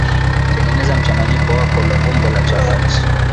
Tengeneza mchanganyiko wako umbo la chapati